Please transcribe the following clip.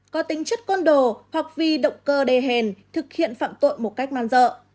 có tính chất con đồ hoặc vì động cơ đề hèn thực hiện phạm tội một cách man dợ